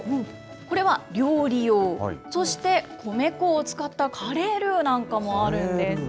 これは料理用、そして米粉を使ったカレールウなんかもあるんです。